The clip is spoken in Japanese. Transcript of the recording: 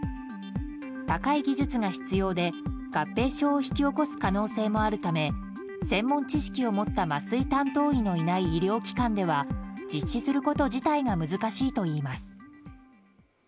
高い技術が必要で、合併症を引き起こす可能性もあるため専門知識を持った麻酔担当医のいない医療機関では実施すること自体が難しいといいます。